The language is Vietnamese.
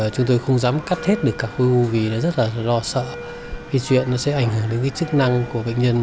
chúng tôi không dám cắt hết được cả khối u vì nó rất là lo sợ vì chuyện nó sẽ ảnh hưởng đến cái chức năng của bệnh nhân